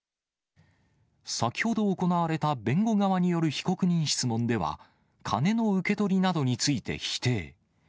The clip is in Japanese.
先ほど行われた弁護側による被告人質問では、金の受け取りなどについて否定。